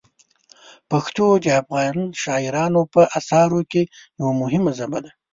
پښتو د افغان شاعرانو په اثارو کې یوه مهمه ژبه ده.